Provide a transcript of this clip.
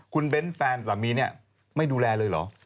คุณเบ้นแฟนสามีเนี่ยไม่ดูแลเลยเหรอ